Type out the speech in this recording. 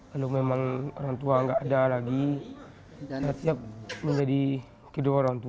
kalau memang orang tua nggak ada lagi saya siap menjadi kedua orang tua